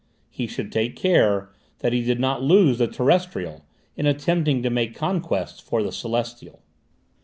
He should take care that he did not lose the terrestrial, in attempting to make conquests for the celestial."